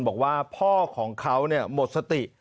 บอกว่าพ่อของเขาหมดสติ